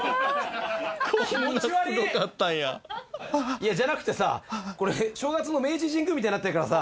いやじゃなくてさこれ正月の明治神宮みたいになってるからさ。